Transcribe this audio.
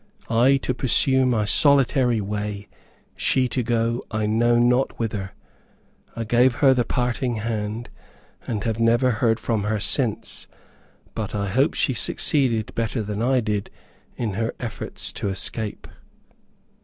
I to pursue my solitary way, she to go, I know not whither. I gave her the parting hand, and have never heard from her since, but I hope she succeeded better than I did, in her efforts to escape.